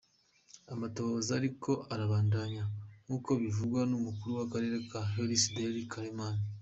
Amatohoza ariko arabandanya nk'uko bivugwa n'umukuru w'akarere ka Harris, Darryl Coleman.